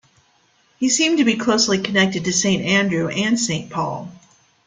He seemed to be closely connected to Saint Andrew and Saint Paul.